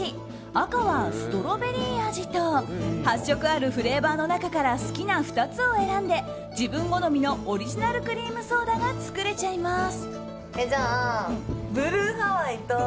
赤はストロベリー味と８色あるフレーバーの中から好きな２つを選んで自分好みのオリジナルクリームソーダが作れちゃいます。